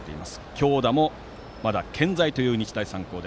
強打もまだ健在という日大三高。